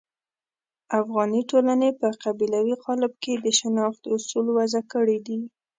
افغاني ټولنې په قبیلوي قالب کې د شناخت اصول وضع کړي دي.